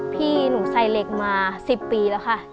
พี่หนูใส่เหล็กมา๑๐ปีแล้วค่ะ